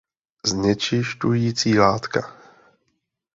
Znečišťující látka!